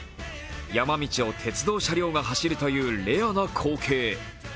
山道を鉄道車両が走るというレアな光景。